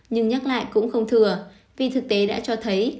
nhưng nhắc lại cũng không thừa vì thực tế đã cho thấy